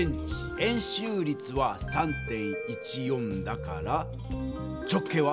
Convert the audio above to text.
円周率は３．１４だから直径は？